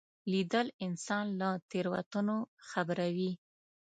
لیدل انسان له تېروتنو خبروي